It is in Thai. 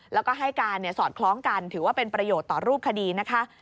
แล้วก็ให้การสอดคล้องกันถือว่าเป็นประโยชน์ต่อรูปคดีนะคะ